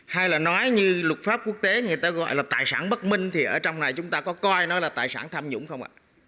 hay là nói như luật pháp quốc tế người ta gọi là tài sản bất minh thì ở trong này chúng ta có coi nó là tài sản tham nhũng không ạ